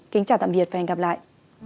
kính chào tạm biệt và hẹn gặp lại